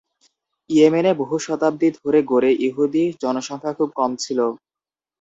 ইয়েমেনে বহু শতাব্দী ধরে গড়ে ইহুদি জনসংখ্যা খুব কম ছিল।